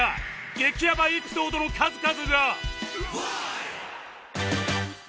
激ヤバエピソードの数々が！